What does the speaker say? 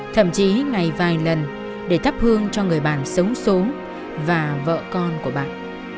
thậm chí ngày vài lần để thắp hương cho người bạn sống xuống và vợ con của bạn